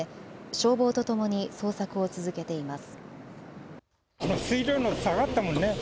消防とともに捜索を続けています。